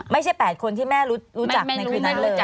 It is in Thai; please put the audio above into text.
ไม่ใช่๘คนที่แม่รู้จักในคืนนั้นเลยจ